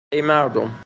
ای مردم